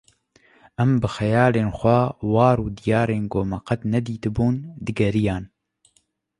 em bi xeyalên xwe war û diyarên ku me qet nedîtibûn digeriyan